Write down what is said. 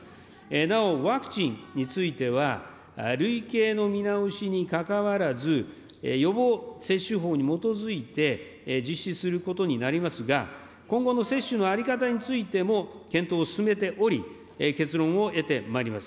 なお、ワクチンについては、類型の見直しにかかわらず、予防接種法に基づいて実施することになりますが、今後の接種の在り方についても検討を進めており、結論を得てまいります。